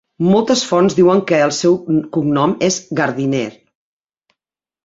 Moltes fonts diuen que el seu cognom és Gardiner.